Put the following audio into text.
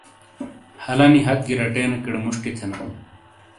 ہَلانی ہت گی رٹینیکیڑے مُشٹی تھینا۔